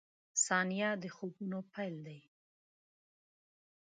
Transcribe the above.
• ثانیه د خوبونو پیل دی.